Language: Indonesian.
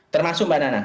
termasuk mbak nana